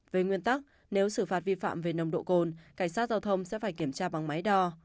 về nguyên tắc nếu xử phạt vi phạm về nồng độ cồn cảnh sát giao thông sẽ phải kiểm tra bằng máy đo